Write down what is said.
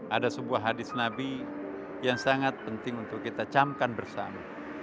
ada sebuah hadis nabi yang sangat penting untuk kita camkan bersama